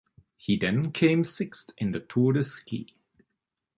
He then came sixth in the Tour de Ski.